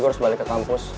gue harus balik ke kampus